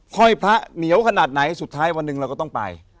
ห้อยพระเหนียวขนาดไหนสุดท้ายวันหนึ่งเราก็ต้องไป